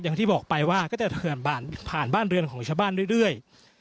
อย่างที่บอกไปว่าก็จะผ่านบ้านเรือนของชาวบ้านเรื่อย